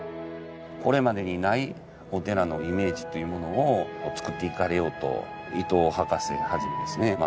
これまでにないお寺のイメージというものを作っていかれようと伊東博士を始めですね